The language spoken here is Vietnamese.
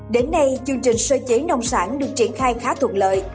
đến nay chương trình sơ chế nông sản được triển khai khá thuận lợi